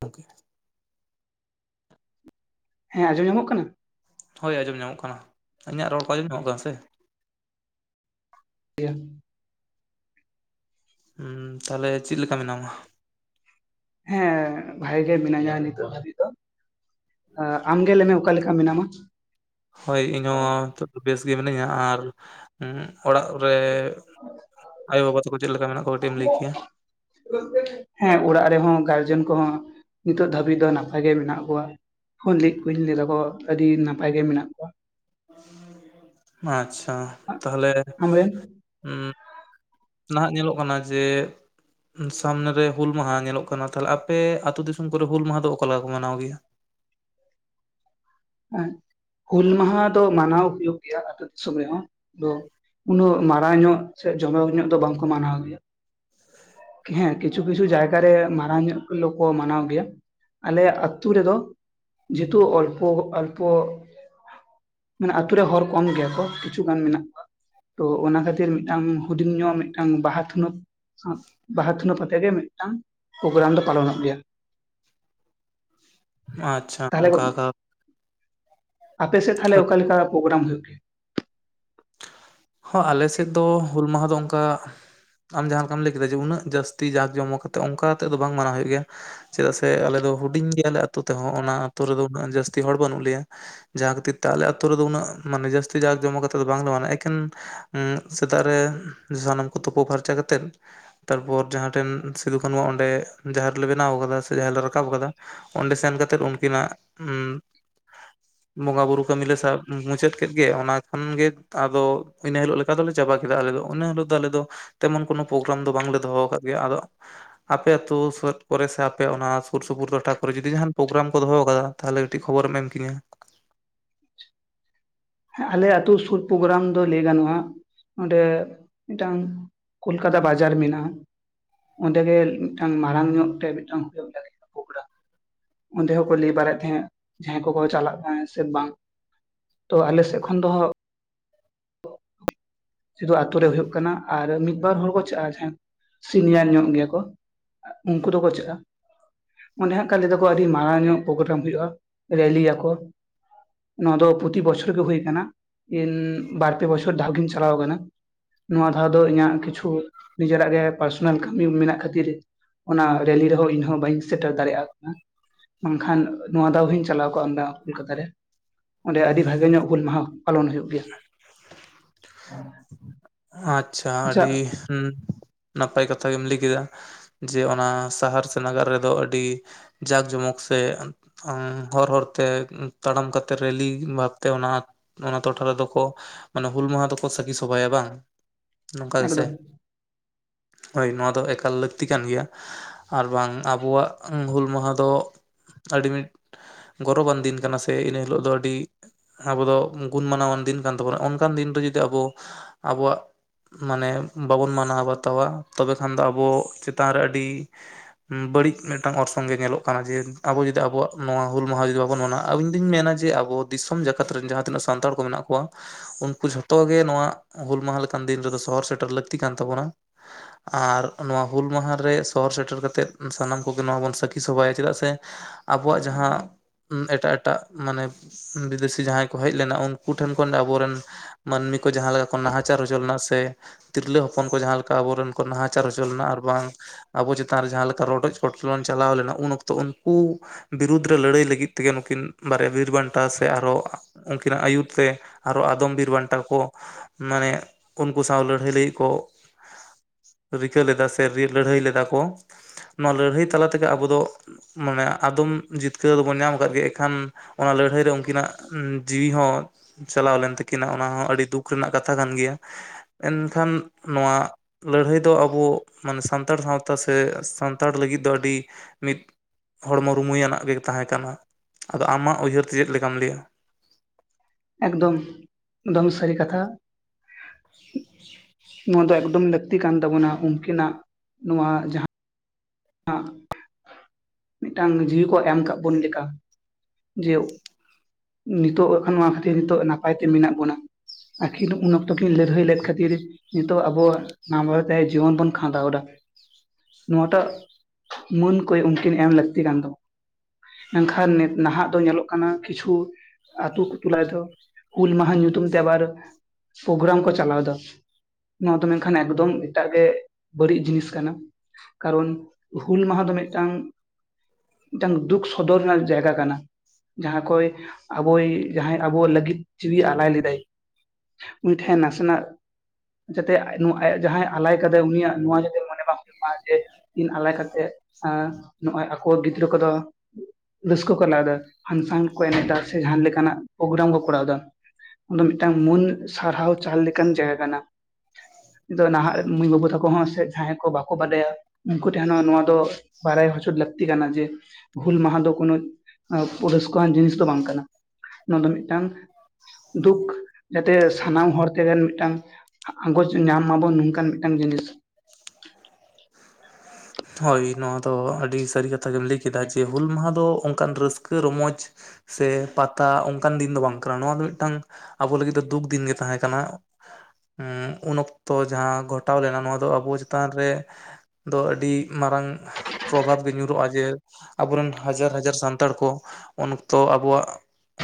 ᱜᱚᱝᱠᱮ, ᱦᱮᱸ, ᱟᱸᱡᱚᱢ ᱧᱟᱢᱚᱜ ᱠᱟᱱᱟ? ᱦᱳᱭ ᱟᱸᱡᱚᱢ ᱧᱟᱢᱚᱜ ᱠᱟᱱᱟ᱾ ᱤᱧᱟᱹᱜ ᱨᱚᱲ ᱠᱚ ᱟᱸᱡᱚᱢ ᱧᱟᱢᱚᱜ ᱠᱟᱱᱟ ᱥᱮ? [unintelligible] ᱩᱸ ᱛᱟᱦᱚᱞᱮ ᱪᱤᱜ ᱞᱮᱠᱟ ᱢᱮᱱᱟᱢᱟ? ᱦᱮᱸ ᱵᱷᱟᱜᱤ ᱜᱮ ᱢᱤᱱᱟᱹᱧᱟ ᱱᱤᱛᱚᱜ ᱫᱷᱟᱵᱤᱜ ᱫᱚ᱾ ᱮᱸᱜ ᱟᱢᱜᱮ ᱞᱟᱹᱭ ᱢᱮ ᱚᱠᱟ ᱞᱮᱠᱟ ᱢᱮᱱᱟᱢᱟ? ᱦᱳᱭ ᱤᱧᱦᱚᱸ ᱱᱤᱛᱚᱜ ᱫᱚ ᱵᱮᱥ ᱜᱮ ᱢᱤᱱᱟᱹᱧᱟ, ᱟᱨ ᱩᱸᱜ ᱚᱲᱟᱜ ᱠᱩᱨᱮ ᱞᱟᱹᱭ ᱠᱮᱭᱟ? [unintelligible] ᱦᱮᱸ ᱚᱲᱟᱜ ᱨᱮᱦᱚᱸ ᱜᱟᱨᱡᱮᱱ ᱠᱚᱦᱚᱸ ᱱᱤᱛᱚᱜ ᱫᱷᱟᱹᱵᱤᱜ ᱫᱚ ᱱᱟᱯᱟᱭ ᱜᱮ ᱢᱮᱱᱟᱜ ᱠᱚᱣᱟ᱾ ᱯᱷᱳᱱ ᱞᱮᱫ [unintelligible] ᱟᱹᱰᱤ ᱱᱟᱯᱟᱭ ᱜᱮ ᱢᱮᱱᱟᱜ ᱠᱚᱣᱟ᱾ ᱟᱪᱪᱷᱟ, ᱛᱟᱦᱞᱮ ᱟᱢᱨᱮᱱ? ᱩᱸ ᱱᱟᱦᱟᱜ ᱧᱮᱞᱚᱜ ᱠᱟᱱᱟ ᱡᱮ ᱩᱸ ᱥᱟᱢᱱᱮ ᱨᱮ ᱦᱩᱞ ᱢᱟᱦᱟ ᱧᱮᱞᱚᱜ ᱠᱟᱱᱟ ᱛᱟᱦᱞᱮ ᱟᱯᱮ ᱟᱹᱛᱩ ᱫᱤᱥᱚᱢ ᱠᱚᱨᱮ ᱦᱩᱞ ᱢᱟᱦᱟ ᱫᱚ ᱚᱠᱟ ᱞᱮᱠᱟ ᱠᱚ ᱢᱟᱱᱟᱣ ᱜᱮᱭᱟ? ᱦᱮᱸ ᱦᱩᱞ ᱢᱟᱦᱟ ᱫᱚ ᱢᱟᱱᱟᱣ ᱦᱩᱭᱩᱜ ᱜᱮᱭᱟ ᱟᱹᱛᱩ ᱫᱤᱥᱚᱢ ᱨᱮᱦᱚᱸ, ᱫᱚ ᱩᱱᱟᱜ ᱢᱟᱨᱟᱝ ᱧᱚᱜ ᱥᱮ ᱡᱚᱢᱚᱠ ᱧᱚᱜ ᱫᱚ ᱵᱟᱝ ᱠᱚ ᱢᱟᱱᱟᱣ ᱜᱮᱭᱟ᱾ ᱦᱮᱸ ᱠᱤᱪᱷᱩ ᱠᱤᱪᱷᱩ ᱡᱟᱭᱜᱟ ᱨᱮ ᱢᱟᱨᱟᱝ ᱧᱚᱜ ᱞᱚᱠᱚ ᱢᱟᱱᱟᱣ ᱜᱮᱭᱟ᱾ ᱟᱞᱮᱭᱟᱜ ᱟᱹᱛᱩ ᱨᱮᱫᱚ ᱡᱚᱛᱚ ᱚᱞᱯᱚ ᱚᱞᱯᱚ ᱢᱟᱱᱮ ᱟᱛᱩ ᱨᱮ ᱦᱚᱨ ᱠᱚᱢ ᱜᱮᱭᱟ ᱠᱚ ᱠᱤᱪᱷᱩ ᱜᱟᱱ ᱢᱮᱱᱟᱜ ᱠᱚᱣᱟ᱾ ᱛᱚ ᱚᱱᱟ ᱠᱷᱟᱹᱛᱤᱨ ᱢᱤᱫᱴᱟᱝ ᱦᱩᱫᱤᱱ ᱧᱚᱼᱟ ᱢᱤᱜᱴᱟᱝ ᱵᱟᱦᱟ ᱛᱷᱩᱱᱟᱹᱛ ᱥᱟᱸ ᱵᱟᱦᱟ ᱛᱷᱱᱟᱹ ᱯᱚᱛᱮ ᱜᱮ ᱢᱤᱜ ᱴᱟᱝ ᱯᱳᱜᱨᱟᱢ ᱫᱚ ᱯᱟᱞᱚᱱᱚᱜ ᱜᱮᱭᱟ᱾ ᱟᱪᱪᱷᱟ ᱛᱟᱦᱚᱞᱮ ᱚᱝᱠᱟ ᱠᱟ ᱟᱯᱮ ᱥᱮᱫ ᱛᱟᱦᱚᱞᱮ ᱚᱠᱟ ᱞᱮᱠᱟ ᱯᱳᱜᱨᱟᱢ ᱦᱩᱭᱩᱜ ᱜᱮᱭᱟ? ᱦᱚ ᱟᱞᱮ ᱥᱮᱡ ᱫᱚ ᱦᱩᱞ ᱢᱟᱦᱟ ᱫᱚ ᱚᱝᱠᱟ ᱟᱢ ᱡᱟᱦᱟᱸ ᱞᱮᱠᱟᱢ ᱞᱟᱹᱭ ᱠᱮᱫᱟ ᱡᱮ ᱩᱱᱟᱹᱜ ᱡᱟᱹᱥᱛᱤ ᱡᱟᱠ ᱡᱚᱢᱚᱠ ᱠᱟᱛᱮᱜ ᱚᱝᱠᱟ ᱟᱛᱮᱜ ᱫᱚ ᱵᱟᱝ ᱢᱟᱱᱟᱣ ᱦᱩᱭᱩᱜ ᱜᱮᱭᱟ᱾ ᱪᱮ ᱟᱥᱮ ᱟᱞᱮ ᱫᱚ ᱦᱩᱰᱤᱧ ᱜᱮᱭᱟᱞᱮ ᱟᱹᱛᱩ ᱛᱮᱦᱚᱸ ᱚᱱᱟ ᱟᱹᱛᱩ ᱨᱮᱫᱚ ᱩᱱᱟᱹᱜ ᱡᱟᱹᱥᱛᱤ ᱦᱚᱲ ᱵᱟᱹᱱᱩᱜ ᱞᱮᱭᱟ᱾ ᱡᱟᱦᱟᱸ ᱠᱷᱟᱹᱛᱤᱨ ᱛᱮ ᱟᱞᱮ ᱟᱛᱳ ᱨᱮᱫᱚ ᱩᱱᱟᱹᱜ ᱢᱟᱱᱮ ᱡᱟᱹᱥᱛᱤ ᱡᱟᱠ ᱡᱚᱢᱚᱠ ᱟᱛᱮᱫ ᱫᱚ ᱵᱟᱝ ᱞᱮ ᱢᱟᱱᱟ ᱮᱠᱷᱮᱱ ᱩᱸ ᱥᱮᱛᱟᱜ ᱨᱮ ᱥᱟᱱᱟᱢ ᱠᱚ ᱛᱩᱯᱩ ᱯᱷᱟᱨᱪᱟ ᱠᱟᱛᱮᱫ᱾ ᱛᱟᱨᱯᱚᱨ ᱡᱟᱦᱟᱸ ᱴᱷᱮᱱ ᱥᱤᱫᱷᱩ ᱠᱟᱱᱩ ᱟᱜ ᱚᱸᱰᱮ ᱡᱟᱦᱮᱨ ᱞᱮ ᱵᱮᱱᱟᱣ ᱠᱟᱫᱟ ᱥᱮ ᱡᱟᱦᱟ ᱫᱚ ᱨᱟᱠᱟᱵ ᱠᱟᱫᱟ᱾ ᱚᱸᱰᱮ ᱥᱮᱱ ᱠᱟᱛᱮᱫ ᱩᱱᱠᱤᱱᱟᱜ ᱩᱸ ᱵᱚᱸᱜᱟ ᱵᱩᱨᱩ ᱠᱟᱹᱢᱤᱞᱮ ᱥᱟᱵ ᱢᱩ-ᱢᱩᱪᱟᱹᱫ ᱠᱮᱫ ᱜᱮ, ᱚᱱᱟ ᱠᱷᱟᱱ ᱜᱮ ᱟᱫᱚ ᱤᱱᱟᱹ ᱦᱤᱞᱳᱜ ᱞᱮᱠᱟ ᱫᱚᱞᱮ ᱪᱟᱵᱟ ᱠᱮᱫᱟ ᱟᱞᱮ ᱩᱱᱟᱹ ᱦᱤᱞᱳᱜ ᱫᱚ ᱟᱞᱮ ᱫᱚ ᱛᱮᱢᱚᱱ ᱠᱳᱱᱳ ᱯᱳᱜᱨᱟᱢ ᱫᱚ ᱵᱟᱝᱞᱮ ᱫᱚᱦᱚ ᱟᱠᱟᱫ ᱜᱮᱭᱟ ᱟᱫᱚ ᱟᱯᱮ ᱟᱹᱛᱩ ᱥᱩᱣᱮᱫ ᱠᱚᱨᱮ ᱥᱮ ᱟᱯᱮ ᱚᱱᱟ ᱥᱩᱨ ᱥᱩᱯᱩᱨ ᱴᱚᱴᱷᱟ ᱠᱚᱨᱮ ᱡᱩᱫᱤ ᱡᱟᱦᱟᱱ ᱯᱳᱜᱨᱟᱢ ᱠᱚ ᱫᱚᱦᱚ ᱟᱠᱟᱫᱟ ᱛᱟᱦᱚᱞᱮ ᱠᱟᱹᱴᱤᱡ ᱠᱷᱚᱵᱚᱨᱮᱢ ᱮᱢ ᱠᱤᱧᱟ᱾ ᱦᱮ ᱟᱞᱮ ᱟᱛᱩ ᱥᱩᱨ ᱯᱳᱜᱨᱟᱢ ᱫᱚ ᱞᱟᱹᱭ ᱜᱟᱱᱚᱜᱼᱟ ᱱᱚᱸᱰᱮ ᱢᱤᱜᱴᱟᱝ ᱠᱳᱞᱠᱟᱛᱟ ᱵᱟᱡᱟᱨ ᱢᱮᱱᱟᱜᱼᱟ᱾ ᱚᱸᱰᱮ ᱜᱮ ᱢᱤᱜᱴᱟᱝ ᱢᱟᱨᱟᱝ ᱧᱚᱜ ᱛᱮ ᱢᱤᱜᱴᱟᱝ [unintelligible] ᱯᱳᱜᱨᱟᱢ᱾ ᱚᱸᱰᱮ ᱦᱚᱸᱠᱚ ᱞᱟᱹᱭ ᱵᱟᱲᱟᱭᱮᱜ ᱛᱟᱦᱮᱸᱜ ᱡᱟᱦᱟᱸᱭ ᱠᱚᱠᱚ ᱪᱟᱞᱟᱜ ᱠᱟᱱ ᱥᱮ ᱵᱟᱝ᱾ ᱛᱚ ᱟᱞᱮ ᱥᱮᱜ ᱠᱷᱚᱱ ᱫᱚᱦᱚ [inaudible] ᱥᱩᱫᱩ ᱟᱛᱳ ᱨᱮ ᱦᱩᱭᱩᱜ ᱠᱟᱱᱟ ᱟᱨ ᱢᱤᱫ ᱵᱟᱨ ᱦᱚ ᱠᱚ ᱪᱟᱜᱼᱟ ᱡᱟᱦᱟᱸᱭ ᱥᱤᱱᱤᱭᱟᱨ ᱧᱚᱜ ᱜᱮᱭᱟ ᱠᱚ᱾ ᱟᱜ ᱩᱱᱠᱩ ᱫᱚᱠᱚ ᱪᱟᱜᱼᱟ᱾ ᱚᱸᱰᱮ ᱦᱟᱜ ᱠᱟ ᱞᱟᱹᱭ ᱫᱟᱠᱚ ᱟᱹᱰᱤ ᱢᱟᱨᱟᱝ ᱧᱚᱜ ᱯᱳᱜᱨᱟᱢ ᱦᱩᱭᱩᱜᱼᱟ ᱨᱮᱞᱤᱭᱟᱠᱚ᱾ ᱱᱚᱣᱟ ᱫᱚ ᱯᱨᱚᱛᱤ ᱵᱚᱪᱷᱚᱨ ᱜᱮ ᱦᱩᱭ ᱠᱟᱱᱟ, ᱤᱱ ᱵᱟᱨᱯᱮ ᱵᱚᱪᱷᱚᱨ ᱫᱷᱟᱣ ᱜᱤᱧ ᱪᱟᱞᱟᱣ ᱟᱠᱟᱱᱟ᱾ ᱱᱚᱣᱟ ᱫᱷᱟᱣ ᱫᱚ ᱤᱧᱟᱹᱜ ᱠᱤᱪᱷᱩ ᱱᱤᱡᱮᱨᱟᱜ ᱜᱮ ᱯᱟᱨᱥᱚᱱᱟᱞ ᱠᱟᱹᱢᱤ ᱢᱮᱱᱟᱜ ᱠᱷᱟᱹᱛᱤᱨ ᱚᱱᱟ ᱨᱮᱞᱤ ᱨᱮᱦᱚᱸ ᱤᱧᱦᱚᱸ ᱵᱟᱹᱧ ᱥᱮᱴᱮᱨ ᱫᱟᱲᱮᱭᱟᱜ [inaudible] ᱵᱟᱝᱠᱷᱟᱱ ᱱᱚᱣᱟ ᱫᱷᱟᱣ ᱦᱚᱸᱧ ᱪᱟᱞᱟᱣ ᱠᱚᱜᱼᱟ [unintelligible] ᱠᱳᱞᱠᱟᱛᱟ ᱨᱮ᱾ ᱚᱸᱰᱮ ᱟᱰᱤ ᱵᱷᱟᱜᱮ ᱧᱚᱜ ᱦᱩᱞ ᱢᱟᱦᱟ ᱯᱟᱞᱚᱱ ᱦᱩᱭᱩᱜ ᱜᱮᱭᱟ᱾ [inaudible] ᱟᱪᱪᱷᱟ ᱟᱰᱤ ᱦᱩᱸ, ᱱᱟᱯᱟᱭ ᱠᱟᱛᱷᱟ ᱜᱮᱢ ᱞᱟᱹᱭ ᱠᱮᱫᱟ᱾ ᱡᱮ ᱚᱱᱟ ᱥᱟᱦᱟᱨ ᱥᱮ ᱱᱟᱜᱟᱨ ᱨᱮᱫᱚ ᱟᱹᱰᱤ ᱡᱟᱠ ᱡᱚᱢᱚᱠ ᱥᱮ ᱚᱝ ᱦᱚᱨ ᱦᱚᱨᱛᱮ ᱛᱟᱲᱟᱢ ᱠᱟᱛᱮ ᱨᱮᱞᱤ ᱵᱷᱟᱵ ᱛᱮ ᱚᱱᱟ ᱚᱱᱟ ᱴᱚᱴᱷᱟ ᱨᱮᱫᱚ ᱠᱚ, ᱢᱟᱱᱮ ᱦᱩᱞ ᱢᱟᱦᱟ ᱫᱚᱠᱚ ᱥᱟᱹᱠᱷᱤ ᱥᱚᱵᱷᱟᱭᱟ ᱵᱟᱝ? ᱱᱚᱝᱠᱟ ᱜᱮ ᱥᱮ, ᱮᱠᱫᱚᱢ ᱦᱳᱭ ᱱᱚᱣᱟ ᱫᱚ ᱮᱠᱟᱞ ᱞᱟᱹᱠᱛᱤ ᱠᱟᱱ ᱜᱮᱭᱟ᱾ ᱟᱨ ᱵᱟᱝ ᱟᱵᱚᱣᱟᱜ ᱩᱸ ᱦᱩᱞ ᱢᱟᱦᱟ ᱫᱚ ᱟᱰᱤ ᱢᱤᱫ ᱜᱚᱨᱚᱵᱟᱱ ᱫᱤᱱ ᱠᱟᱱᱟ ᱥᱮ ᱤᱱᱟᱹ ᱦᱤᱞᱳᱜ ᱫᱚ ᱟᱹᱰᱤ ᱟᱵᱚ ᱫᱚ ᱜᱩᱱ ᱢᱟᱱᱟᱣᱟᱱ ᱫᱤᱱ ᱠᱟᱱ ᱛᱟᱵᱚᱱᱟ ᱚᱱᱠᱟᱱ ᱫᱤᱱ ᱨᱮ ᱡᱩᱫᱤ ᱟᱵᱚ, ᱟᱵᱚᱣᱟᱜ ᱢᱟᱱᱮ ᱵᱟᱵᱚᱱ ᱢᱟᱱᱟᱣ ᱵᱟᱛᱟᱣᱟ ᱛᱚᱵᱮ ᱠᱷᱟᱱ ᱫᱚ ᱟᱵᱚ ᱪᱮᱛᱟᱱ ᱨᱮ ᱟᱹᱰᱤ ᱩᱸ ᱵᱟᱹᱲᱤᱡ ᱢᱤᱫᱴᱟᱝ ᱚᱨᱥᱚᱝ ᱜᱮ ᱧᱮᱞᱚᱜ ᱠᱟᱱᱟ ᱡᱮ, ᱟᱵᱚ ᱡᱩᱫᱤ ᱟᱵᱚᱣᱟᱜ ᱱᱚᱣᱟ ᱦᱩᱞ ᱢᱟᱦᱟ ᱡᱩᱫᱤ ᱵᱟᱵᱚᱱ ᱢᱟᱱᱟᱣᱟ [inaudible] ᱤᱧ ᱫᱩᱧ ᱢᱮᱱᱟ ᱡᱮ ᱡᱮ ᱟᱵᱚ ᱫᱤᱥᱚᱢ ᱡᱟᱠᱟᱛ ᱨᱤᱱ ᱡᱟᱦᱟᱸ ᱛᱤᱱᱟᱹᱜ ᱥᱟᱱᱛᱟᱲ ᱠᱚ ᱢᱮᱱᱟᱜ ᱠᱚᱣᱟ, ᱩᱱᱠᱩ ᱡᱷᱚᱛᱚ ᱜᱮ ᱱᱚᱣᱟ ᱦᱩᱞ ᱢᱟᱦᱟ ᱞᱮᱠᱟᱱ ᱫᱤᱱ ᱨᱮᱫᱚ ᱥᱚᱦᱚᱨ ᱥᱮᱴᱮᱨ ᱞᱟᱹᱠᱛᱤ ᱠᱟᱱ ᱛᱟᱵᱚᱱᱟ ᱟᱨ ᱱᱚᱣᱟ ᱦᱩᱞ ᱢᱟᱦᱟ ᱨᱮ ᱥᱚᱦᱚᱨ ᱥᱮᱴᱮᱨ ᱠᱟᱛᱮᱫ ᱥᱟᱱᱟᱢ ᱠᱚᱜᱮ ᱱᱚᱣᱟ ᱵᱚᱱ ᱥᱟᱹᱠᱷᱤ ᱥᱚᱵᱷᱟᱭᱟ, ᱪᱮᱫᱟᱜ ᱥᱮ ᱟᱵᱚᱣᱟᱜ ᱡᱟᱦᱟᱸ, ᱩᱸ ᱮᱴᱟᱜ ᱮᱴᱟᱜ ᱢᱟᱱᱮ ᱵᱤᱫᱮᱥᱤ ᱡᱟᱦᱟᱸᱭ ᱠᱚ ᱦᱮᱡ ᱞᱮᱱᱟ ᱩᱱᱠᱩ ᱴᱷᱮᱱ ᱠᱷᱚᱱ ᱟᱵᱚ ᱨᱮᱱ, ᱢᱟᱹᱱᱢᱤ ᱠᱚ ᱡᱟᱦᱟᱸ ᱞᱮᱠᱟ ᱠᱷᱚᱱ ᱱᱟᱦᱟᱪᱟᱨ ᱦᱚᱪᱚ ᱞᱮᱱᱟ ᱥᱮ, ᱛᱤᱨᱞᱟᱹ ᱦᱚᱯᱚᱱ ᱠᱚ ᱡᱟᱦᱟᱸ ᱞᱮᱠᱟ ᱟᱵᱚ ᱨᱮᱱ ᱠᱚ ᱱᱟᱦᱟᱪᱟᱨ ᱦᱚᱪᱚ ᱞᱮᱱᱟ ᱟᱨ ᱵᱟᱝ ᱟᱵᱚ ᱪᱮᱛᱟᱱ ᱨᱮ ᱡᱟᱦᱟᱸ ᱞᱮᱠᱟ ᱨᱚᱰᱚᱡ ᱠᱚᱪᱚᱞᱚᱱ ᱪᱟᱞᱟᱣ ᱞᱮᱱᱟ, ᱩᱱ ᱚᱠᱛᱚ ᱩᱱᱠᱩ ᱵᱤᱨᱩᱫ ᱨᱮ ᱞᱟᱹᱲᱦᱟᱹᱭ ᱞᱟᱹᱜᱤᱫ ᱛᱮᱜᱮ ᱱᱩᱠᱤᱱ ᱵᱟᱨᱭᱟ ᱵᱤᱨᱵᱟᱱᱴᱟ ᱥᱮ ᱟᱨᱚ ᱩᱱᱠᱤᱱᱟᱜ ᱟᱹᱭᱩᱨ ᱛᱮ, ᱟᱨᱚ ᱟᱫᱚᱢ ᱵᱤᱨ ᱵᱟᱱᱴᱟ ᱠᱚ ᱢᱟᱱᱮ ᱩᱱᱠᱩ ᱥᱟᱶ ᱞᱟᱹᱲᱦᱟᱹᱭ ᱞᱟᱹᱜᱤᱫ ᱠᱚ ᱨᱤᱠᱟᱹ ᱞᱮᱫᱟ ᱥᱮ ᱞᱟᱹᱲᱦᱟᱹᱭ ᱞᱮᱫᱟ ᱠᱚ, ᱱᱚᱣᱟ ᱞᱟᱹᱲᱦᱟᱹᱭ ᱛᱟᱞᱟ ᱛᱮᱜᱮ ᱟᱵᱚ ᱫᱚ ᱢᱟᱱᱮ ᱟᱫᱚᱢ ᱡᱤᱛᱠᱟᱹᱨ ᱫᱚᱵᱚᱱ ᱧᱟᱢ ᱟᱠᱟᱫ ᱜᱮ ᱮᱱᱠᱷᱟᱱ ᱚᱱᱟ ᱞᱟᱹᱲᱦᱟᱹᱭ ᱨᱮ ᱩᱱᱠᱤᱱᱟᱜ, ᱡᱤᱣᱤ ᱦᱚᱸ ᱪᱟᱞᱟᱣ ᱞᱮᱱ ᱛᱟᱹᱠᱤᱱᱟ ᱚᱱᱟ ᱦᱚᱸ ᱟᱹᱰᱤ ᱫᱩᱠ ᱨᱮᱱᱟᱜ ᱠᱟᱛᱷᱟ ᱠᱟᱱ ᱜᱮᱭᱟ᱾ ᱮᱱᱠᱷᱟᱱ ᱱᱚᱣᱟ ᱞᱟᱹᱲᱦᱟᱹᱭ ᱫᱚ ᱟᱵᱚ ᱢᱟᱱᱮ ᱥᱟᱱᱛᱟᱲ ᱥᱟᱶᱛᱟ ᱥᱮ ᱥᱟᱱᱛᱟᱲ ᱞᱟᱹᱜᱤᱫ ᱫᱚ ᱟᱹᱰᱤ ᱢᱤᱫ ᱦᱚᱲᱢᱚ ᱨᱩᱢᱩᱭᱟᱱᱟᱜ ᱜᱮ ᱛᱟᱦᱮᱸ ᱠᱟᱱᱟ᱾ ᱟᱫᱚ ᱟᱢᱟᱜ ᱩᱭᱦᱟᱹᱨ ᱛᱮ ᱪᱮᱫ ᱞᱮᱠᱟᱢ ᱞᱟᱹᱭᱟ? ᱮᱠᱫᱚᱢ, ᱫᱚᱢ ᱥᱟᱹᱨᱤ ᱠᱟᱛᱷᱟ᱾ ᱱᱚᱣᱟ ᱫᱚ ᱮᱠᱫᱚᱢ ᱞᱟᱹᱠᱛᱤ ᱠᱟᱱ ᱛᱟᱵᱚᱱᱟ ᱩᱱᱠᱤᱱᱟᱜ, ᱱᱚᱣᱟ ᱡᱟᱦᱟᱸ ᱦᱟᱸᱜ, ᱢᱤᱫᱴᱟᱝ ᱡᱤᱣᱤ ᱠᱚ ᱮᱢ ᱠᱟᱜ ᱵᱚᱱ ᱞᱮᱠᱟ᱾ ᱡᱮ ᱱᱤᱛᱚᱜ ᱱᱟᱠᱷᱟᱱ ᱱᱚᱣᱟ ᱠᱷᱟᱹᱛᱤᱨ ᱱᱤᱛᱚᱜ ᱱᱟᱯᱟᱭ ᱛᱮ ᱢᱮᱱᱟᱜ ᱵᱚᱱᱟ᱾ ᱟᱹᱤᱱ ᱩᱱ ᱚᱠᱛᱚ ᱠᱤᱱ ᱞᱟᱹᱲᱦᱟᱹᱭ ᱞᱮᱫ ᱠᱷᱟᱹᱛᱤᱨ ᱱᱤᱛᱚᱜ ᱟᱵᱚ ᱱᱟᱣᱟ ᱛᱮ ᱡᱤᱭᱚᱱ ᱵᱚᱱ ᱠᱷᱟᱸᱰᱟᱣᱫᱟ, ᱱᱚᱣᱟᱴᱟᱜ ᱢᱟᱹᱱ ᱠᱚᱭ ᱩᱝᱠᱤᱱ ᱮᱢ ᱞᱟᱹᱠᱛᱤ ᱠᱟᱱ [inaudible] ᱢᱮᱱᱠᱷᱟᱱ ᱱᱮ ᱱᱟᱦᱟᱜ ᱫᱚ ᱧᱮᱞᱚᱜ ᱠᱟᱱᱟ ᱠᱤᱪᱷᱩ ᱟᱛᱳ ᱴᱩᱞᱟ ᱨᱮᱫᱚ, ᱦᱩᱞ ᱢᱟᱦᱟ ᱧᱩᱛᱩᱢ ᱛᱮ ᱟᱵᱟᱨ, ᱯᱨᱳᱜᱨᱟᱢ ᱠᱚ ᱪᱟᱞᱟᱣᱫᱟ᱾ ᱱᱚᱣᱟ ᱫᱚ ᱢᱮᱱᱠᱷᱟᱱ ᱮᱠᱫᱚᱢ ᱮᱴᱟᱜ ᱜᱮ ᱵᱟᱹᱲᱤᱡ ᱡᱤᱱᱤᱥ ᱠᱟᱱᱟ, ᱠᱟᱨᱚᱱ ᱦᱩᱞ ᱢᱟᱦᱟ ᱫᱚ ᱢᱤᱫᱴᱟᱝ, ᱢᱤᱫᱴᱟᱝ ᱫᱩᱠ ᱥᱚᱫᱚᱨ ᱨᱮᱱᱟᱜ ᱡᱟᱭᱜᱟ ᱠᱟᱱᱟ᱾ ᱡᱟᱦᱟᱸ ᱠᱚᱭ ᱟᱵᱚᱭ ᱡᱟᱦᱟᱸᱭ ᱟᱵᱚ ᱞᱟᱹᱜᱤᱫ ᱡᱤᱣᱤ ᱟᱞᱟᱭ ᱞᱮᱫᱟᱭ᱾ ᱩᱱᱤ ᱴᱷᱮᱱ ᱱᱟᱥᱮᱱᱟᱜ, ᱡᱟᱛᱮ [inaudible] ᱟᱭᱟᱜ ᱡᱟᱦᱟᱸᱟᱭ ᱟᱞᱟᱭ ᱠᱟᱫᱟᱭ ᱩᱱᱤᱭᱟᱜ ᱱᱚᱣᱟ ᱡᱟᱛᱮ ᱢᱚᱱᱮ ᱵᱟᱝ ᱦᱩᱭᱩᱜ ᱢᱟ ᱡᱮ, ᱤᱧ ᱟᱞᱟᱭ ᱠᱟᱛᱮᱜ ᱮᱸ ᱱᱚᱜ-ᱚᱭ ᱟᱠᱚ ᱜᱤᱫᱽᱨᱟᱹ ᱠᱚᱫᱚ ᱨᱟᱹᱥᱠᱟᱹ ᱠᱚ, [unintelligible] ᱯᱷᱟᱱᱥᱟᱱ ᱠᱚ ᱮᱱᱮᱡᱫᱟ ᱥᱮ ᱡᱟᱦᱟᱸᱱ ᱞᱮᱠᱟᱱᱟᱜ ᱯᱨᱳᱜᱨᱟᱢ ᱠᱚ ᱠᱚᱨᱟᱣᱫᱟ᱾ ᱚᱸᱰᱮ ᱢᱤᱫᱴᱟᱝ ᱢᱟᱹᱱ ᱥᱟᱨᱦᱟᱣ ᱪᱟᱞ ᱞᱮᱠᱟᱱ ᱡᱟᱭᱜᱟ ᱠᱟᱱᱟ ᱫᱚ ᱱᱟᱦᱟᱜ ᱢᱟᱹᱭ ᱵᱟᱹᱵᱩ ᱛᱟᱠᱚ ᱦᱚᱸ ᱥᱮ ᱡᱟᱦᱟᱸᱭ ᱠᱚ ᱵᱟᱠᱚ ᱵᱟᱰᱟᱭᱟ ᱩᱱᱠᱩ ᱴᱷᱮᱱ ᱦᱚᱸ ᱱᱚᱣᱟ ᱫᱚ ᱵᱟᱲᱟᱭ ᱦᱚᱪᱚ ᱞᱟᱹᱠᱛᱤ ᱠᱟᱱᱟ ᱡᱮ, ᱦᱩᱞ ᱢᱟᱦᱟ ᱫᱚ ᱠᱳᱱᱳ ᱯᱚᱨᱳᱥᱠᱟᱱ ᱡᱤᱱᱤᱥ ᱫᱚ ᱵᱟᱝ ᱠᱟᱱᱟ ᱱᱚᱣᱟ ᱫᱚ ᱢᱤᱫᱴᱟᱝᱼᱼ ᱫᱩᱠ ᱡᱟᱛᱮ ᱥᱟᱱᱟᱢ ᱦᱚᱲ ᱛᱮᱜᱮᱱ ᱢᱤᱫᱴᱟᱝ ᱟᱜᱚᱪ ᱧᱟᱢ ᱢᱟᱵᱚᱱ ᱱᱚᱝᱠᱟᱱ ᱢᱤᱫᱴᱟᱝ ᱡᱤᱱᱤᱥᱼᱼ ᱦᱳᱭ ᱱᱚᱣᱟ ᱫᱚ ᱟᱹᱰᱤ ᱥᱟᱹᱨᱤ ᱠᱟᱛᱷᱟ ᱜᱮᱢ ᱞᱟᱹᱭ ᱠᱮᱫᱟ ᱡᱮ ᱦᱩᱞ ᱢᱟᱦᱟ ᱫᱚ ᱚᱱᱠᱟᱱ ᱨᱟᱹᱥᱠᱟᱹ ᱨᱚᱢᱚᱡᱽᱼᱼ ᱥᱮ ᱯᱟᱛᱟ ᱚᱱᱠᱟᱱ ᱫᱤᱱ ᱫᱚ ᱵᱟᱝ ᱠᱟᱱᱟ ᱱᱚᱣᱟ ᱫᱚ ᱢᱤᱫᱴᱟᱝᱼᱼ ᱟᱵᱚ ᱞᱟᱹᱜᱤᱫ ᱫᱚ ᱫᱩᱠ ᱫᱤᱱ ᱜᱮ ᱛᱟᱦᱮᱸ ᱠᱟᱱᱟ ᱩᱱ ᱚᱠᱛᱚ ᱡᱟᱦᱟᱸ ᱜᱷᱚᱴᱟᱣ ᱞᱮᱱᱟ ᱱᱚᱣᱟ ᱫᱚ ᱟᱵᱚ ᱪᱮᱛᱟᱱ ᱨᱮ ᱫᱚ ᱟᱹᱰᱤᱼᱼ ᱢᱟᱨᱟᱝᱼᱼ ᱯᱨᱚᱵᱷᱟᱵᱽ ᱜᱮ ᱧᱩᱨᱩᱜᱼᱟ ᱡᱮ ᱟᱵᱚ ᱨᱮᱱ ᱦᱟᱡᱟᱨ ᱦᱟᱡᱟᱨ ᱥᱟᱱᱛᱟᱲ ᱠᱚ ᱩᱱ ᱚᱠᱛᱚ ᱟᱵᱚᱣᱟᱜᱼᱼ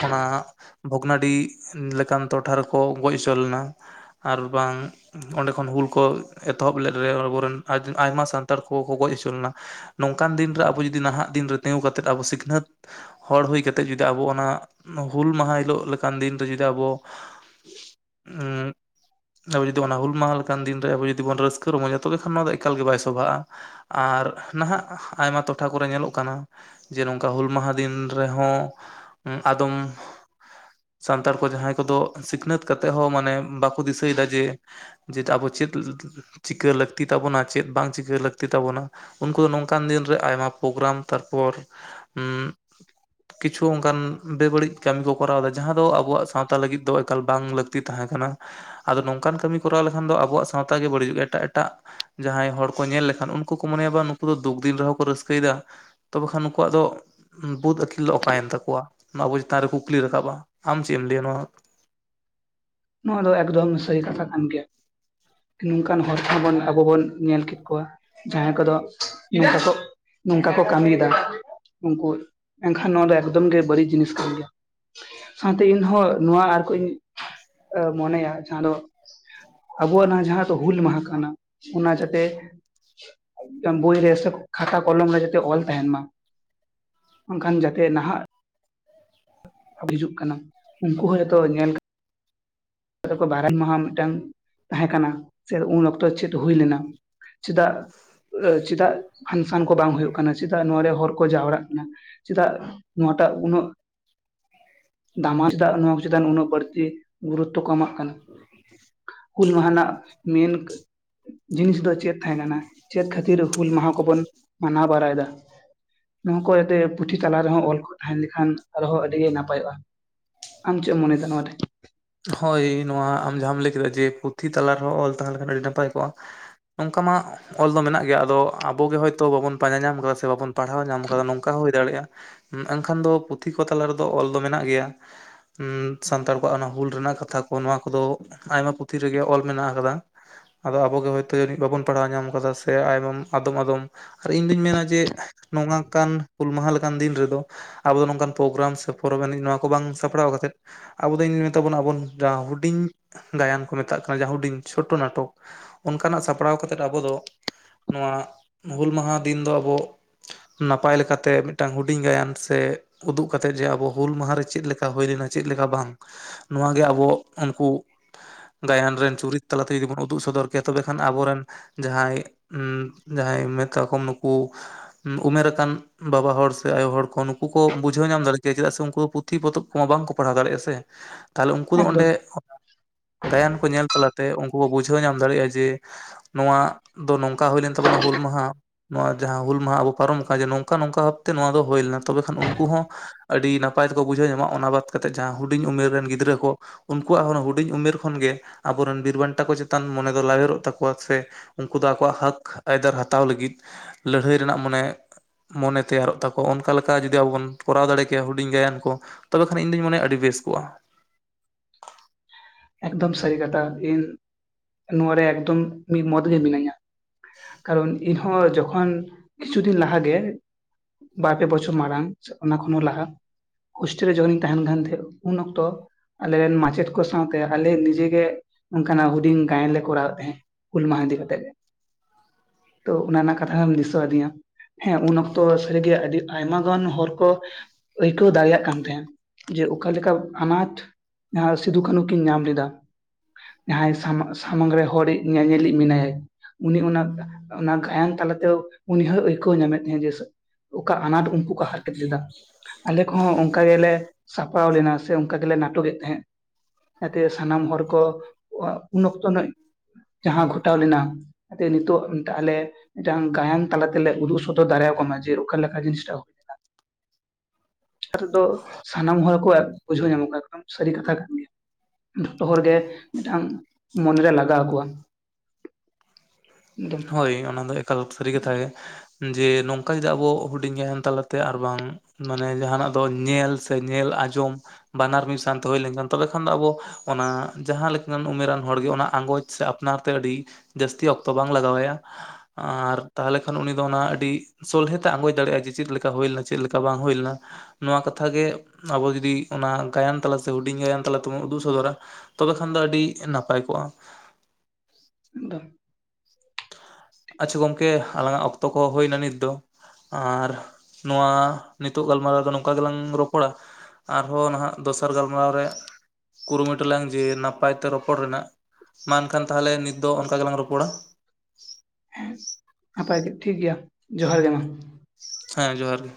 ᱚᱱᱟ ᱵᱷᱚᱜᱽᱱᱟᱰᱤ ᱞᱮᱠᱟᱱ ᱴᱚᱴᱷᱟ ᱨᱮ ᱠᱚ ᱜᱚᱡ ᱦᱚᱪᱚ ᱞᱮᱱᱟ᱾ ᱟᱨ ᱵᱟᱝ ᱚᱸᱰᱮ ᱠᱷᱚᱱ ᱦᱩᱞ ᱠᱚ ᱮᱛᱚᱦᱚᱵ ᱞᱮᱫ ᱨᱮ ᱟᱵᱚ ᱨᱮᱱ ᱟᱭᱢᱟ ᱥᱟᱱᱛᱟᱲ ᱠᱚᱼᱼ ᱠᱚ ᱠᱚ ᱜᱚᱡ ᱦᱚᱪᱚ ᱞᱮᱱᱟ ᱱᱚᱝᱠᱟᱱ ᱫᱤᱱ ᱨᱮ ᱟᱵᱚ ᱡᱩᱫᱤ ᱱᱟᱦᱟᱜ ᱫᱤᱱ ᱨᱮ ᱛᱤᱸᱜᱩ ᱠᱟᱛᱮ ᱟᱵᱚ ᱥᱤᱠᱷᱱᱟᱹᱛᱼᱼ ᱦᱚᱲ ᱦᱩᱭ ᱠᱟᱛᱮᱜ ᱡᱩᱫᱤ ᱟᱵᱚ ᱚᱱᱟ ᱦᱩᱞ ᱢᱟᱦᱟ ᱦᱤᱞᱳᱜ ᱞᱮᱠᱟᱱ ᱫᱤᱱ ᱨᱮ ᱡᱚᱫᱤ ᱟᱵᱚᱼᱼ [unintelligible] ᱩᱸ ᱟᱵᱚ ᱡᱚᱫᱤ ᱚᱱᱟ ᱦᱩᱞ ᱢᱟᱦᱟ ᱞᱮᱠᱟᱱ ᱫᱤᱱ ᱨᱮ ᱟᱵᱚ ᱡᱩᱫᱤ ᱵᱚᱱ ᱨᱟᱹᱥᱠᱟᱹ ᱨᱚᱢᱚᱡᱟ ᱛᱚᱵᱮ ᱠᱷᱟᱱ ᱱᱚᱣᱟ ᱫᱚ ᱮᱠᱟᱞ ᱜᱮ ᱵᱟᱭ ᱥᱚᱵᱷᱟᱜᱼᱟ ᱟᱨ ᱱᱟᱦᱟᱜ ᱟᱭᱢᱟ ᱴᱚᱴᱷᱟ ᱠᱚᱨᱮᱜ ᱧᱮᱞᱚᱜ ᱠᱟᱱᱟ ᱡᱮ ᱱᱚᱝᱠᱟ ᱦᱩᱞ ᱢᱟᱦᱟ ᱫᱤᱱ ᱨᱮ ᱦᱚᱸ ᱟᱫᱚᱢᱼᱼ ᱥᱟᱱᱛᱟᱲ ᱠᱚ ᱡᱟᱦᱟᱸᱭ ᱠᱚᱫᱚ ᱥᱤᱠᱷᱱᱟᱹᱛ ᱠᱟᱛᱮᱜ ᱦᱚᱸ ᱢᱟᱱᱮ ᱵᱟᱠᱚ ᱫᱤᱥᱟᱹᱭ ᱮᱫᱟ ᱡᱮ, ᱡᱮ ᱟᱵᱚ ᱪᱮᱫ ᱪᱤᱠᱟᱹ ᱞᱟᱹᱠᱛᱤ ᱛᱟᱵᱚᱱᱟ ᱪᱮᱫ ᱵᱟᱝ ᱪᱤᱠᱟᱹ [unintelligible] ᱞᱟ. ᱠᱛᱤ ᱛᱟᱵᱚᱱᱟ ᱩᱱᱠᱩ ᱫᱚ ᱱᱚᱝᱠᱟᱱ ᱫᱤᱱ ᱨᱮ ᱟᱭᱢᱟ ᱯᱨᱳᱜᱨᱟᱢ ᱛᱟᱨᱯᱚᱨ ᱩᱸᱜᱼᱼ ᱠᱤᱪᱷᱩ ᱚᱱᱠᱟᱱ ᱵᱮᱵᱟᱹᱲᱤᱡ ᱠᱟᱹᱢᱤ ᱠᱚ ᱠᱚᱨᱟᱣ ᱮᱫᱟ, ᱡᱟᱦᱟᱸ ᱫᱚ ᱟᱵᱚᱣᱟᱜ ᱥᱟᱶᱛᱟ ᱞᱟᱹᱜᱤᱫ ᱫᱚ ᱮᱠᱟᱞ ᱵᱟᱝ ᱞᱟᱹᱠᱛᱤ ᱞᱟᱹᱠᱛᱤ ᱛᱟᱦᱮᱸ ᱠᱟᱱᱟ᱾ ᱟᱫᱚ ᱱᱚᱝᱠᱟᱱ ᱠᱟᱹᱢᱤ ᱠᱚᱨᱟᱣ ᱞᱮᱠᱷᱟᱱ ᱫᱚ ᱟᱵᱚᱣᱟᱜ ᱥᱟᱶᱛᱟ ᱜᱮ ᱵᱟᱹᱲᱤᱡᱚᱜᱼᱟ, ᱮᱴᱟᱜ ᱮᱴᱟᱜ ᱡᱟᱦᱟᱸᱭ ᱦᱚᱲ ᱠᱚ ᱧᱮᱞ ᱞᱮᱠᱷᱟᱱᱼᱼ ᱟᱱ ᱩᱱᱠᱩ ᱠᱚ ᱢᱚᱱᱮᱭᱟ ᱵᱟ ᱱᱩᱠᱩ ᱫᱚ ᱫᱩᱠ ᱫᱤᱱ ᱨᱮᱦᱚᱸ ᱠᱚ ᱨᱟᱹᱥᱠᱟᱹᱭ ᱮᱫᱟ ᱛᱚᱵᱮ ᱠᱷᱟᱱ ᱱᱩᱠᱩᱣᱟᱜ ᱫᱚ᱾ ᱵᱩᱫ ᱟᱹᱠᱤᱞ ᱫᱚ ᱚᱠᱟᱭ ᱮᱱ ᱛᱟᱠᱚᱣᱟ ᱟᱵᱚ ᱪᱮᱛᱟᱱ ᱨᱮ ᱠᱩᱠᱞᱤ ᱨᱟᱠᱟᱵᱼᱟ ᱟᱢ ᱪᱮᱫ ᱮᱢ ᱞᱟᱹᱭᱟ ᱱᱚᱣᱟᱼᱼ ᱱᱚᱣᱟ ᱫᱚ ᱮᱠᱫᱚᱢ ᱥᱟᱹᱦᱤ ᱠᱟᱛᱷᱟ ᱠᱟᱱ ᱜᱮᱭᱟ᱾ ᱱᱚᱝᱠᱟᱱ ᱦᱚᱲ ᱠᱚᱦᱚᱸ ᱵᱚᱱ ᱟᱵᱚ ᱵᱚᱱ ᱧᱮᱞ ᱠᱮᱫ ᱠᱚᱣᱟ ᱡᱟᱦᱟᱸᱭ ᱠᱚᱫᱚ ᱮᱢ ᱯᱚᱛᱼᱼ ᱱᱚᱝᱠᱟ ᱠᱚ ᱠᱟᱹᱢᱤᱭ ᱮᱫᱟ ᱩᱱᱠᱩ ᱢᱮᱱ ᱠᱷᱟᱱ ᱱᱚᱣᱟ ᱫᱚ ᱮᱠᱫᱚᱢ ᱜᱮ ᱵᱟᱹᱲᱤᱡ ᱡᱤᱱᱤᱥ ᱠᱟᱱ ᱜᱮᱭᱟ᱾ ᱥᱟᱶ ᱛᱮ ᱤᱧᱦᱚᱸ ᱱᱚᱣᱟ ᱟᱨᱠᱚᱧᱼᱼ ᱢᱚᱱᱮᱭᱟ ᱡᱟᱦᱟᱸ ᱫᱚᱼᱼ ᱟᱵᱚᱣᱟᱜ ᱱᱚᱣᱟ ᱡᱟᱦᱟᱸ ᱦᱩᱞ ᱢᱟᱦᱟ ᱠᱟᱱᱟ ᱚᱱᱟ ᱡᱟᱛᱮ, ᱚᱱ ᱵᱳᱭ ᱨᱮ ᱠᱷᱟᱛᱟ ᱠᱚᱞᱚᱢ ᱨᱮ ᱡᱟᱛᱮ ᱚᱞ ᱛᱟᱦᱮᱱ ᱢᱟ᱾ ᱵᱟᱝ ᱠᱷᱟᱱ ᱡᱟᱛᱮ ᱱᱟᱦᱟᱜᱼᱼ ᱦᱤᱡᱩᱜ ᱠᱟᱱᱟ ᱩᱱᱠᱩ ᱦᱚᱸ ᱡᱚᱛᱚ ᱧᱮᱞᱼᱼ ᱵᱟᱨᱮᱱ ᱢᱟᱦᱟ ᱢᱤᱫᱴᱟᱝ ᱛᱟᱦᱮᱸ ᱠᱟᱱᱟ ᱥᱮ ᱩᱱ ᱚᱠᱛᱚ ᱪᱮᱫ ᱦᱩᱭ ᱞᱮᱱᱟ᱾ ᱪᱮᱫᱟᱜ ᱪᱮᱫᱟᱜ ᱯᱷᱟᱱᱥᱮᱱ ᱠᱚ ᱵᱟᱝ ᱦᱩᱭᱩᱜ ᱠᱟᱱᱟ, ᱪᱮᱫᱟᱜ ᱱᱚᱣᱟ ᱨᱮ ᱦᱚᱲ ᱠᱚ ᱡᱟᱣᱨᱟᱜ ᱠᱟᱱᱟ? ᱪᱮᱫᱟᱜ ᱱᱚᱣᱟᱴᱟᱜ ᱩᱱᱟᱹᱜᱼᱼ ᱫᱟᱢᱟ ᱫᱟ ᱱᱚᱣᱟ ᱪᱮᱛᱟᱱ ᱩᱱᱟᱹᱜ ᱵᱟᱹᱲᱛᱤ ᱜᱩᱨᱩᱛᱼᱼ ᱛᱚ ᱮᱢᱟᱜ ᱠᱟᱱᱟ, ᱦᱩᱞ ᱢᱟᱦᱟᱱᱟᱜ ᱢᱮᱱᱼᱼ ᱡᱤᱱᱤᱥ ᱫᱚ ᱪᱮᱫ ᱛᱟᱦᱮᱸ ᱠᱟᱱᱟ ᱪᱮᱫ ᱠᱷᱟᱹᱛᱤᱨ ᱦᱩᱞ ᱢᱟᱦᱟ ᱠᱚᱵᱚᱱ ᱢᱟᱱᱟᱣ ᱵᱟᱲᱟᱭ ᱮᱫᱟ᱾ ᱱᱚᱣᱟ ᱠᱚ ᱡᱟᱛᱮ ᱯᱩᱛᱷᱤ ᱛᱟᱞᱟ ᱨᱮ ᱦᱚᱸ ᱚᱞ ᱠᱚ ᱛᱟᱦᱮᱱ ᱞᱮᱠᱷᱟᱱ ᱟᱨᱦᱚᱸ ᱟᱹᱰᱤ ᱜᱮ ᱱᱟᱯᱟᱭᱚᱜᱼᱟ᱾ ᱟᱢ ᱪᱮᱜ ᱢᱚᱱᱮ ᱫᱟᱢ [unintelligible] ᱦᱳᱭ ᱱᱚᱣᱟ ᱟᱢ ᱡᱟᱦᱟᱸ ᱟᱢ ᱞᱟᱹᱭ ᱠᱮᱫᱟ ᱡᱮ ᱯᱩᱛᱷᱤ ᱛᱟᱞᱟ ᱨᱮᱦᱚᱸ ᱚᱞ ᱛᱟᱦᱮᱸ ᱞᱮᱱᱠᱷᱟᱱ ᱟᱹᱰᱤ ᱱᱟᱯᱟᱭ ᱠᱚᱜᱼᱟ᱾ ᱱᱚᱝᱠᱟ ᱢᱟ ᱚᱞ ᱫᱚ ᱢᱮᱱᱟᱜ ᱜᱮᱭᱟ ᱟᱫᱚ ᱟᱵᱚ ᱜᱮ ᱦᱳᱭ ᱛᱚ ᱵᱟᱵᱚᱱ ᱯᱟᱸᱡᱟ ᱧᱟᱢ ᱠᱟᱫᱟ ᱥᱮ ᱵᱟᱵᱚᱱ᱾ ᱯᱟᱲᱦᱟᱣ ᱧᱟᱢ ᱠᱟᱫᱟ ᱱᱚᱝᱠᱟ ᱦᱚᱸ ᱦᱩᱭ ᱫᱟᱲᱮᱭᱟᱜᱼᱟ᱾ ᱮᱱᱠᱷᱟᱱ ᱫᱚ ᱯᱩᱛᱷᱤ ᱠᱚ ᱛᱟᱞᱟ ᱨᱮᱫᱚ ᱚᱞ ᱫᱚ ᱢᱮᱱᱟᱜ ᱜᱮᱭᱟ ᱩᱸ ᱥᱟᱱᱛᱟᱲ ᱠᱚᱣᱟᱜ᱾ [unintelligible] ᱦᱩᱞ ᱨᱮᱱᱟᱜ ᱠᱟᱛᱷᱟ ᱠᱚ ᱱᱚᱣᱟ ᱠᱚᱫᱚ ᱟᱭᱢᱟ ᱯᱩᱛᱷᱤ ᱨᱮᱜᱮ ᱚᱞ ᱢᱮᱱᱟᱜ ᱟᱠᱟᱫᱟ᱾ ᱟᱫᱚ ᱟᱵᱚᱜ ᱜᱮ ᱦᱳᱭ ᱛᱚ ᱡᱮ ᱵᱟᱵᱚᱱ ᱯᱟᱲᱦᱟᱣ ᱧᱟᱢ ᱠᱟᱫᱟ ᱥᱮ ᱟᱭᱢᱟ ᱟᱫᱚᱢ ᱟᱫᱚᱢ᱾ ᱟᱨ ᱤᱧ ᱫᱩᱧ ᱢᱮᱱᱟ ᱡᱮ ᱱᱚᱝᱠᱟᱱ ᱦᱩᱞ ᱢᱟᱦᱟ ᱞᱮᱠᱟᱱ ᱫᱤᱱ ᱨᱮᱫᱚ᱾ ᱟᱵᱚ ᱫᱚ ᱱᱚᱝᱠᱟᱱ ᱯᱨᱳᱜᱨᱟᱢ ᱥᱮ ᱯᱚᱨᱚᱵᱽ ᱮᱱᱮᱡ ᱱᱚᱣᱟ ᱠᱚ ᱵᱟᱝ ᱥᱟᱯᱲᱟᱣ ᱠᱟᱛᱮᱫ ᱟᱵᱚ ᱫᱚᱧ ᱛᱟᱵᱚᱱᱟ ᱟᱵᱚᱱ ᱡᱟᱦᱟᱸ ᱦᱩᱰᱤᱧ ᱜᱟᱭᱟᱱ ᱠᱚ ᱢᱮᱛᱟᱜ ᱠᱟᱱᱟ, ᱡᱟᱦᱟᱸ ᱦᱩᱰᱤᱧ ᱪᱷᱳᱴᱳ ᱱᱟᱴᱚᱠ᱾ ᱚᱱᱠᱟᱱᱟᱜ ᱥᱟᱯᱲᱟᱣ ᱠᱟᱛᱮᱜ ᱟᱵᱚ ᱫᱚ ᱱᱚᱣᱟ ᱦᱩᱞ ᱢᱟᱦᱟ ᱫᱤᱱ ᱫᱚ ᱟᱵᱚ᱾ ᱱᱟᱯᱟᱭ ᱞᱮᱠᱟᱛᱮ ᱢᱤᱫᱴᱟᱝ ᱦᱩᱰᱤᱧ ᱜᱟᱭᱟᱱ ᱥᱮ ᱩᱫᱩᱜ ᱠᱟᱛᱮᱫ ᱡᱮ ᱟᱵᱚ ᱦᱩᱞ ᱢᱟᱸᱦᱟ ᱨᱮ ᱪᱮᱫ ᱞᱮᱠᱟ ᱦᱩᱭ ᱞᱮᱱᱟ ᱪᱮᱫ ᱞᱮᱠᱟ ᱵᱟᱝ᱾ ᱱᱚᱣᱟ ᱜᱮ ᱟᱵᱚ ᱩᱱᱠᱩ ᱜᱟᱭᱟᱱ ᱨᱮᱱ ᱪᱩᱨᱤᱛ ᱛᱟᱞᱟᱛᱮ ᱡᱩᱫᱤ ᱵᱚᱱ ᱩᱫᱩᱜ ᱥᱚᱫᱚᱨ ᱛᱚᱵᱮ ᱠᱷᱟᱱ ᱟᱵᱚᱨᱮᱱ ᱡᱟᱦᱟᱸᱭ ᱩᱸ ᱡᱟᱦᱟᱸᱭ ᱢᱮᱛᱟ ᱠᱚᱢ ᱱᱩᱠᱩ᱾ ᱵᱷᱩᱢᱮᱨ ᱟᱠᱟᱱ᱾ ᱵᱟᱵᱟ ᱦᱚᱲ ᱥᱮ ᱟᱭᱳ ᱦᱚᱲ ᱠᱚ ᱱᱩᱠᱩ ᱵᱩᱡᱷᱟᱹᱣ ᱧᱟᱢ ᱫᱟᱲᱮᱭᱟ ᱪᱮᱫᱟᱜ ᱩᱱᱠᱩ ᱯᱩᱛᱷᱤ ᱯᱚᱛᱚᱵ ᱠᱚᱢᱟ ᱵᱟᱝ ᱯᱟᱲᱦᱟᱣ ᱫᱟᱲᱮᱭᱟᱜᱼᱟ᱾ ᱥᱮ ᱛᱟᱦᱚᱞᱮ ᱩᱱᱠᱩ ᱫᱚ ᱚᱸᱰᱮ ᱮᱠᱫᱚᱢ ᱠᱷᱚᱜ᱾ ᱜᱟᱭᱟᱱ ᱠᱚ ᱧᱮᱞ ᱛᱟᱞᱟᱛᱮ ᱩᱱᱠᱩ ᱠᱚ ᱵᱩᱡᱷᱟᱹᱣ ᱧᱟᱢ ᱫᱟᱲᱮᱭᱟᱜᱼᱟ ᱡᱮ ᱱᱚᱣᱟ ᱫᱚ ᱱᱚᱝᱠᱟ᱾ ᱱᱚᱝᱠᱟ ᱦᱩᱭ ᱞᱮᱱ ᱛᱟᱵᱚᱱᱟ ᱦᱩᱞ ᱢᱟᱦᱟ ᱱᱚᱣᱟ ᱡᱟᱦᱟᱸ ᱦᱩᱞ ᱢᱟᱦᱟ ᱟᱵᱚ ᱯᱟᱨᱚᱢ ᱟᱠᱟᱱᱟ ᱡᱮ ᱱᱚᱝᱠᱟ ᱱᱚᱝᱠᱟ᱾ ᱱᱚᱣᱟ ᱫᱚ ᱦᱩᱭ ᱞᱮᱱᱟ ᱛᱚᱵᱮ ᱠᱷᱟᱱ ᱩᱱᱠᱩ ᱦᱚᱸ ᱟᱹᱰᱤ ᱱᱟᱯᱟᱭ ᱛᱮᱠᱚ ᱵᱩᱡᱷᱟᱹᱣ ᱧᱟᱢᱟ, ᱚᱱᱟ ᱵᱟᱫ ᱠᱟᱛᱮ ᱡᱟᱦᱟᱸ ᱦᱩᱰᱤᱧ ᱩᱢᱮᱨ ᱨᱮᱱ ᱜᱤᱫᱟᱹ ᱜᱤᱫᱽᱨᱟᱹ ᱠᱚ ᱩᱱᱠᱩᱣᱟᱜ ᱦᱚᱸ ᱦᱩᱰᱤᱧ ᱩᱢᱮᱨ ᱠᱷᱚᱱ ᱜᱮ᱾ ᱟᱵᱚᱨᱮᱱ ᱵᱤᱨ ᱵᱟᱱᱴᱟ ᱠᱚ ᱪᱮᱛᱟᱱ ᱢᱚᱱᱮ ᱫᱚ ᱞᱟᱣᱮᱨᱚᱜ ᱛᱟᱠᱚᱣᱟ ᱥᱮ᱾ ᱩᱱᱠᱩ ᱫᱚ ᱟᱠᱚᱣᱟᱜ ᱦᱚᱠ ᱟᱹᱭᱫᱟᱨ ᱦᱟᱛᱟᱣ ᱞᱟᱹᱜᱤᱫ ᱞᱟᱹᱲᱦᱟᱹᱭ ᱨᱮᱱᱟᱜ ᱢᱟᱱᱮ᱾ ᱢᱚᱱᱮ ᱛᱮᱭᱟᱨᱚᱜ ᱛᱟᱠᱚᱣᱟ ᱚᱱᱠᱟ ᱞᱮᱠᱟ ᱡᱩᱫᱤ ᱟᱵᱚ ᱵᱚᱱ ᱠᱚᱨᱟᱣ ᱫᱟᱲᱮ ᱠᱮᱭᱟ ᱦᱩᱰᱤᱧ ᱜᱟᱭᱟᱱ ᱠᱚ᱾ ᱛᱚᱵᱮ ᱠᱷᱟᱱ ᱤᱧᱫᱩᱧ ᱢᱚᱱᱮᱭᱟ ᱟᱹᱰᱤ ᱵᱮᱥ ᱠᱚᱜᱼᱟ᱾ ᱮᱠᱫᱚᱢ ᱥᱟᱹᱨᱤ ᱠᱟᱛᱷᱟ ᱤᱧ ᱱᱚᱣᱟ ᱨᱮ ᱮᱠᱫᱚᱢ ᱢᱤᱫ ᱢᱚᱛ ᱜᱮ ᱢᱤᱱᱟᱹᱧᱟ᱾ ᱠᱟᱨᱚᱱ ᱤᱧᱦᱚᱸ ᱡᱚᱠᱷᱚᱱ ᱠᱤᱪᱷᱩ ᱫᱤᱱ ᱞᱟᱦᱟ ᱜᱮ᱾ ᱵᱟᱨ ᱯᱮ ᱵᱚᱪᱷᱚᱨ ᱢᱟᱲᱟᱝ ᱚᱱᱟ ᱠᱷᱚᱱ ᱦᱚᱸ ᱞᱟᱦᱟ᱾ ᱦᱳᱥᱴᱮᱞ ᱨᱮ ᱡᱚᱠᱷᱚᱱᱤᱧ ᱛᱟᱦᱮᱱ ᱠᱟᱱ ᱛᱟᱦᱮᱸ ᱩᱱ ᱚᱠᱛᱚ ᱟᱞᱮ ᱨᱮᱱ ᱢᱟᱪᱮᱫ᱾ ᱩᱱᱠᱩ ᱥᱟᱶ ᱛᱮ ᱟᱞᱮ ᱱᱤᱡᱮ ᱜᱮ ᱚᱱᱠᱟᱱ ᱟᱜ ᱦᱩᱰᱤᱧ ᱜᱟᱭᱟᱱ ᱞᱮ ᱠᱚᱨᱟᱣ ᱮᱫ ᱛᱟᱦᱮᱸᱫ᱾ ᱦᱩᱞ ᱢᱟᱦᱟ ᱤᱫᱤ ᱠᱟᱛᱮᱜ ᱛᱚ ᱚᱱᱟ ᱨᱮᱱᱟᱜ ᱠᱟᱛᱷᱟᱢ ᱫᱤᱥᱟᱹ ᱟᱫᱤᱧᱟ᱾ ᱦᱮᱸ ᱩᱱ ᱚᱠᱛᱚ ᱥᱟᱹᱨᱤ ᱜᱮ ᱟᱹᱰᱤ ᱟᱭᱢᱟ ᱜᱟᱱ ᱦᱚᱲ ᱠᱚ᱾ ᱟᱹᱭᱠᱟᱹᱣ ᱫᱟᱲᱮᱭ ᱟᱜ ᱠᱟᱱ ᱛᱟᱦᱮᱸᱫ ᱡᱮ ᱚᱠᱟ ᱞᱮᱠᱟ ᱟᱱᱟᱴ ᱡᱟᱦᱟ᱾ ᱥᱤᱫᱩ ᱠᱟᱹᱱᱩ ᱠᱤᱱ ᱧᱟᱢ ᱞᱮᱫᱟ ᱡᱟᱸᱦᱟᱭ ᱥᱟᱢᱟ‌ ᱥᱟᱢᱟᱝ ᱨᱮ ᱦᱚᱲ ᱤᱡ ᱧᱮᱧᱮᱞ ᱤᱡ ᱢᱮᱱᱟᱭᱟᱭ᱾ ᱩᱱᱤ ᱦᱚ ᱚᱱᱟ ᱚᱱᱟ [unintelligible] ᱜᱟᱭᱟᱱ ᱛᱟᱞᱟ ᱛᱮ ᱩᱱᱤ ᱦᱚᱭ ᱟᱹᱭᱠᱟᱹᱣ ᱧᱟᱢ ᱮᱫ ᱛᱟᱦᱮᱸᱫ ᱡᱮ᱾ ᱚᱠᱟ ᱟᱱᱟᱴ ᱩᱱᱠᱩ ᱠᱚ᱾ [unintelligible] [unintelligible] ᱪᱮᱫᱟᱜ ᱟᱞᱮ ᱠᱚᱦᱚᱸ ᱚᱱᱠᱟ ᱜᱮᱞᱮ ᱥᱟᱯᱲᱟᱣ ᱞᱮᱱᱟ ᱥᱮ ᱚᱱᱠᱟ ᱜᱮᱞᱮ ᱱᱟᱴᱚᱠ ᱮᱫ ᱛᱟᱦᱮᱸᱫ᱾ ᱡᱟᱛᱮ ᱥᱟᱱᱟᱢ ᱦᱚᱲ ᱠᱚ ᱩᱱ ᱚᱠᱛᱚ [unintelligible] ᱡᱟᱦᱟ ᱜᱷᱚᱴᱟᱣ ᱞᱮᱱᱟ᱾ [unintelligible] ᱱᱤᱛᱳᱜ ᱢᱮᱛᱟᱜ ᱟᱞᱮ᱾ ᱢᱤᱫ ᱴᱟᱝ ᱜᱟᱭᱟᱱ ᱛᱟᱞᱟ ᱛᱮᱞᱮ ᱩᱫᱩᱜ ᱥᱚᱫᱚᱨ ᱫᱟᱲᱮᱭᱟ ᱠᱟᱱᱟ ᱡᱮ ᱚᱠᱟ ᱞᱮᱠᱟ ᱡᱤᱱᱤᱥ ᱴᱟᱜ ᱾ [inaudible] [unintelligible] ᱫᱚ ᱥᱟᱱᱟᱢ ᱦᱚᱲ ᱠᱚ ᱵᱩᱡᱷᱟᱹᱣ ᱧᱟᱢ [unintelligible] ᱮᱠᱫᱚᱢ ᱥᱟᱹᱨᱤ ᱠᱟᱛᱷᱟ ᱠᱟᱱ᱾ ᱜᱮᱭᱟ ᱡᱷᱚᱛᱚ ᱦᱚᱲ ᱜᱮ ᱢᱤᱫ ᱴᱟᱝ ᱢᱚᱱᱮ ᱨᱮ ᱞᱟᱜᱟᱣ ᱟᱠᱚᱣᱟ᱾ ᱦᱳᱭ ᱚᱱᱟ ᱫᱚ ᱮᱠᱟᱞ ᱥᱟᱹᱨᱤ ᱠᱟᱛᱷᱟ ᱜᱮ ᱡᱮ ᱱᱚᱝᱠᱟ ᱡᱩᱫᱤ ᱟᱵᱚ ᱦᱩᱰᱤᱧ ᱜᱟᱭᱲᱱ ᱛᱟᱞᱟ ᱛᱮ ᱟᱨ ᱵᱟᱝ᱾ ᱢᱟᱱᱮ ᱡᱟᱦᱟ ᱱᱟᱜ ᱫᱚ ᱧᱮᱞ ᱥᱮ ᱧᱮᱞ ᱟᱸᱡᱚᱢ ᱵᱟᱱᱟᱨ ᱢᱤᱫ ᱥᱟᱶ ᱛᱮ ᱦᱩᱭ ᱞᱮᱱ ᱠᱷᱟᱱ ᱛᱚᱵᱮ ᱠᱷᱟᱱ ᱫᱚ ᱟᱵᱚ᱾ ᱚᱱᱟ ᱡᱟᱦᱟ ᱞᱮᱠᱟᱱ ᱩᱢᱮᱨᱟᱱ ᱦᱚᱲ ᱜᱮ ᱚᱱᱟ ᱟᱸᱜᱚᱪ ᱥᱮ ᱟᱯᱱᱟᱨ ᱛᱮ ᱟᱹᱰᱤ ᱡᱟᱹᱥᱛᱤ ᱚᱠᱛᱚ ᱵᱟᱝ ᱞᱟᱜᱟᱣ ᱟᱭᱟ ᱟᱨ ᱛᱟᱞᱦᱮ ᱠᱷᱟᱱ ᱩᱱᱤ ᱫᱚ ᱚᱱᱟ ᱟᱹᱰᱤ ᱥᱚᱞᱦᱮ ᱛᱮ ᱟᱸᱜᱚᱪ ᱫᱟᱲᱮᱜ-ᱟᱭ ᱡᱮ ᱪᱮᱫ ᱞᱮᱠᱟ ᱦᱳᱭ ᱞᱮᱱᱟ ᱪᱮᱫ ᱞᱮᱠᱟ ᱵᱟᱝ ᱦᱳᱭ ᱞᱮᱱᱟ। ᱱᱚᱣᱟ ᱠᱟᱛᱷᱟ ᱜᱮ ᱟᱵᱚ ᱡᱩᱫᱤ ᱚᱱᱟ ᱜᱟᱭᱟᱱ ᱛᱟᱞᱟ ᱥᱮ ᱦᱩᱰᱤᱧ ᱜᱟᱭᱟᱱ ᱛᱟᱞᱟ ᱛᱮ ᱵᱚᱱ ᱩᱫᱩᱜ ᱥᱚᱫᱚᱨᱟ ᱛᱚᱵᱮ ᱠᱷᱟᱱ ᱫᱚ ᱟᱹᱰᱤ ᱱᱟᱯᱟᱭ ᱠᱚᱜᱼᱟ। ᱟᱫᱚ ᱟᱪᱪᱷᱟ ᱜᱚᱝᱠᱮ ᱟᱞᱟᱝ ᱟᱜ ᱚᱠᱛᱚ ᱠᱚ ᱦᱩᱭᱱᱟ ᱱᱤᱛ ᱫᱚ ᱟᱨ ᱱᱚᱣᱟ ᱱᱤᱛᱚᱜ ᱜᱟᱞᱢᱟᱨᱟᱣ ᱫᱚ ᱱᱚᱝᱠᱟ ᱜᱮᱞᱟᱝ ᱨᱚᱯᱚᱲᱟ ᱟᱨᱦᱚᱸ ᱱᱟᱦᱟᱜ ᱫᱚᱥᱟᱨ ᱜᱟᱞᱢᱟᱨᱟᱣ ᱨᱮ ᱠᱩᱨᱩᱢᱩᱴᱩ ᱞᱟᱝ ᱡᱮ ᱱᱟᱯᱟᱭ ᱛᱮ ᱨᱚᱯᱚᱲ ᱨᱮᱱᱟᱜ। ᱢᱟ ᱮᱱᱠᱷᱟᱱ ᱛᱟᱞᱦᱮ ᱱᱤᱛ ᱫᱚ ᱚᱱᱠᱟ ᱜᱮᱞᱟᱝ ᱨᱚᱯᱚᱲᱟ। ᱱᱟᱯᱟᱭ ᱜᱮ ᱴᱷᱤᱠ ᱜᱮᱭᱟ। ᱡᱚᱦᱟᱨ ᱜᱮ ᱢᱟ। ᱦᱮᱸ ᱡᱚᱦᱟᱨ ᱜᱮ।